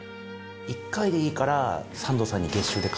１回でいいからサンドさんに月収で勝ちたいです。